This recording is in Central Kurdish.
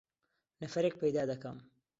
نەفەرێک پەیدا دەکەم.